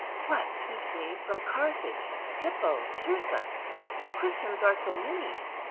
What keeps me from Carthage, Hippo, Cirtha, where Christians are so many?"